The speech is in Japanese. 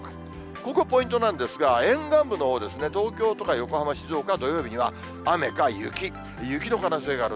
ここポイントなんですが、沿岸部のほう、東京とか横浜、静岡は土曜日には、雨か雪、雪の可能性がある。